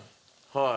はい。